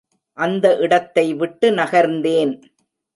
அந்த இடத்தை விட்டு நகர்ந்தேன்.